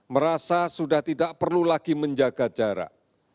merasa sudah tidak perlu lagi menjaga jarak